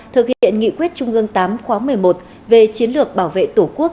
thực hiện nghị quyết trung ương tám khóa một mươi một về chiến lược bảo vệ tổ quốc